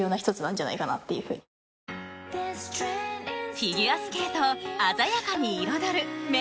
フィギュアスケートを鮮やかに彩るメイク。